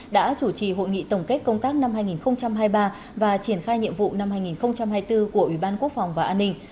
đã chủ trì hội nghị tổng kết công tác năm hai nghìn hai mươi ba và triển khai nhiệm vụ năm hai nghìn hai mươi bốn của ủy ban quốc phòng và an ninh